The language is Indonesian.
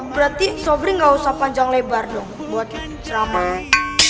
berarti sobri tidak usah panjang lebar dong buat menceramah